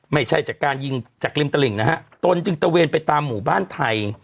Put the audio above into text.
ไม่ใช่จากการยิงจากริมตลิ่งนะฮะตนจึงตะเวนไปตามหมู่บ้านไทย